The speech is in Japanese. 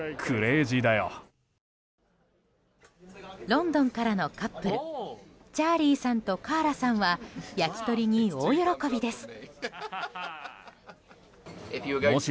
ロンドンからのカップルチャーリーさんとカーラさんは焼き鳥に大喜びです。